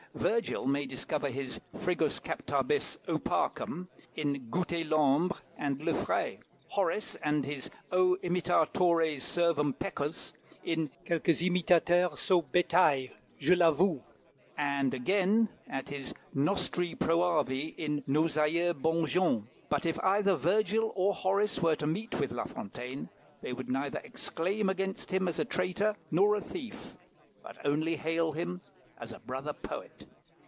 Virgil may discover his frigus captabis opacum in "Gouter l'Ombre, et le Frais;" Horace, his O! imitatores, servum pecus in "Quelques Imitateurs sot Bétail, je l'Avoue;" and, again, his at nostri proavi in "Nos Aïeux, Bonnes Gens." But if either Virgil or Horace were to meet with La Fontaine, they would neither exclaim against him as a traitor nor a thief, but only hail him as a brother poet.